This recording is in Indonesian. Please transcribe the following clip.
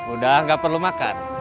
udah gak perlu makan